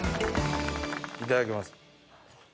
いただきます。